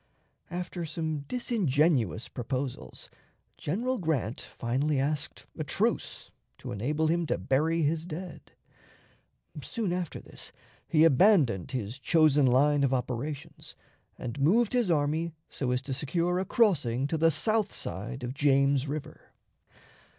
After some disingenuous proposals, General Grant finally asked a truce to enable him to bury his dead. Soon after this he abandoned his chosen line of operations, and moved his army so as to secure a crossing to the south side of James River.